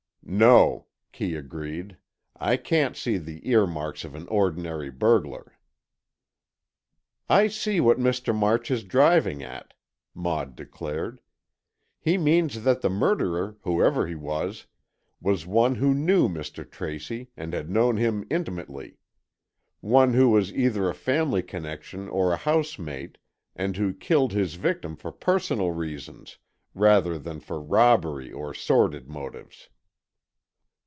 "No," Kee agreed, "I can't see the earmarks of an ordinary burglar." "I see what Mr. March is driving at," Maud declared. "He means that the murderer, whoever he was, was one who knew Mr. Tracy, and had known him intimately. One who was either a family connection or a housemate, and who killed his victim for personal reasons rather than for robbery or sordid motives."